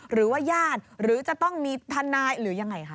หรือว่าญาติหรือจะต้องมีทนายหรือยังไงคะ